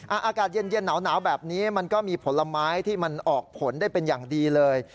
อากาศเย็นหนาวแบบนี้มันก็มีผลไม้ที่มันออกผลได้เป็นอย่างดีเลย